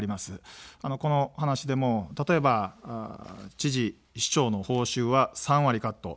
この話でも例えば、知事の報酬は３割カット。